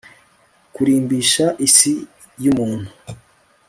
kurimbisha isi yumuntu